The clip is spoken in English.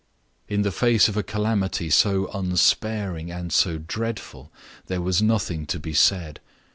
In the face of a calamity so unsparing and so dreadful, there was nothing to be said.